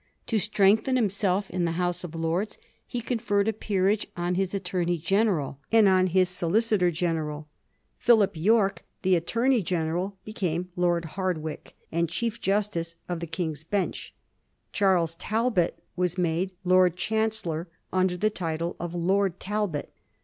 To strengthen himself in the House of Lords he conferred a peerage on his attorney general and on his solicitor gen eral. Philip Yorke, the Attorney general, became Lord Hardwicke and Chief justice of the King's Bench; Charles Talbot was made Lord Chancellor under the title of Lord Talbot.